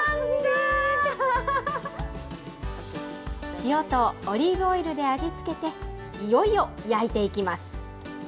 塩とオリーブオイルで味付けて、いよいよ焼いていきます。